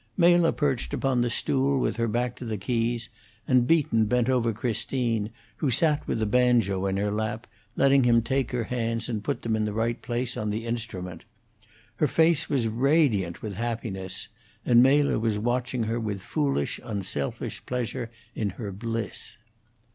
Mela perched upon the stool with her back to the keys, and Beaton bent over Christine, who sat with a banjo in her lap, letting him take her hands and put them in the right place on the instrument. Her face was radiant with happiness, and Mela was watching her with foolish, unselfish pleasure in her bliss.